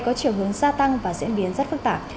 có chiều hướng gia tăng và diễn biến rất phức tạp